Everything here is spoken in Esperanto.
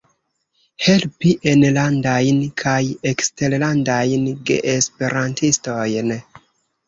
Helpi enlandajn kaj eksterlandajn geesperantistojn.